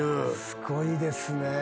すごいですね。